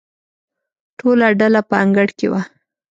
ټوله ډله په انګړ کې وه.